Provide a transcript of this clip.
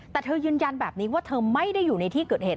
แต่เธอยืนยันแบบนี้ว่าเธอไม่ได้อยู่ในที่เกิดเหตุ